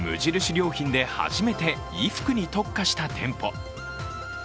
良品で初めて衣服に特化した店舗。